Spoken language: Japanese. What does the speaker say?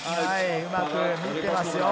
うまく見ていますよ。